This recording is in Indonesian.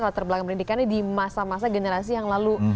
atau terbelang pendidikannya di masa masa generasi yang lalu